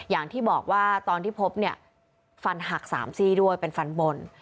อย่างที่บอกว่าตอนที่พบเนี่ยฟันหัก๓ซี่ด้วยเป็นฟันบน